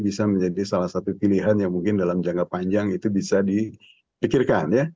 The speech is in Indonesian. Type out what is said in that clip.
bisa menjadi salah satu pilihan yang mungkin dalam jangka panjang itu bisa dipikirkan ya